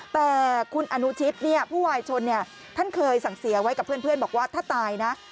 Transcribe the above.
แต่คุณอนุชิตผู้วายชนท่านเคยสั่งเสียไว้กับเพื่อนบอกว่าถ้าตายนะ